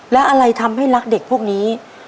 และอะไรทำให้รักเด็กพวกนี้